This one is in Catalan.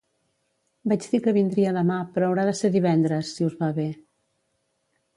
Vaig dir que vindria demà però haurà de ser divendres, si us va bé.